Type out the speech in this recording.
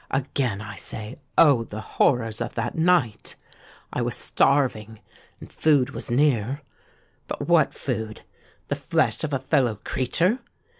Again I say—oh! the horrors of that night! I was starving—and food was near. But what food? The flesh of a fellow creature!